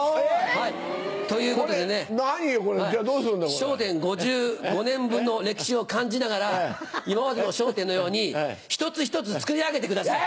『笑点』５５年分の歴史を感じながら今までの『笑点』のように一つ一つ作り上げてください。